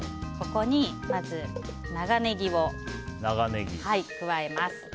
ここにまず、長ネギを加えます。